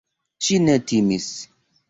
Ŝi ne timis.